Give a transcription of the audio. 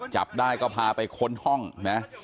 จับได้ก็พาไปค้นห้องนะ